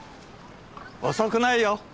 遅くないよ。